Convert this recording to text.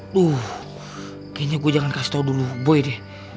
duh kayaknya gue jangan kasih tau dulu boy deh